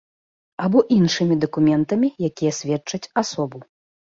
Або іншымі дакументамі, якія сведчаць асобу.